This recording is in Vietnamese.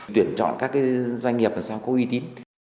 tuyển chọn các doanh nghiệp làm sao có uy tín